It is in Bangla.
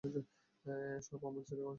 সব আমার ছেলে করেছে।